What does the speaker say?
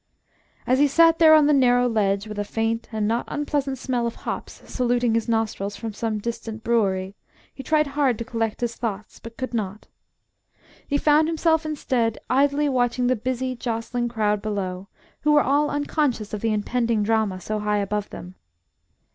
As he sat there on the narrow ledge, with a faint and not unpleasant smell of hops saluting his nostrils from some distant brewery, he tried hard to collect his thoughts, but could not. He found himself, instead, idly watching the busy, jostling crowd below, who were all unconscious of the impending drama so high above them.